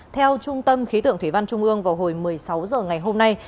theo trung tâm khí tượng thủy văn trung ương vào hồi một mươi sáu h ngày hôm nay